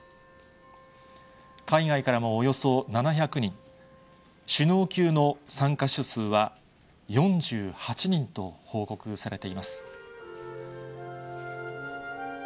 海外からもおよそ７００人、首脳級の参加者数は４８人と報告されています。